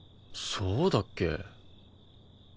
そうだっけ？